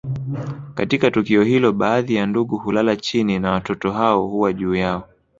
Katika tukio hilo baadhi ya ndugu hulala chini na watoto hao huwa juu yao